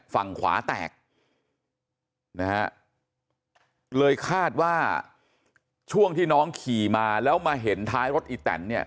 ฝั่งขวาแตกนะฮะเลยคาดว่าช่วงที่น้องขี่มาแล้วมาเห็นท้ายรถอีแตนเนี่ย